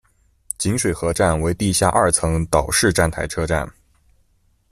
锦水河站为地下二层岛式站台车站。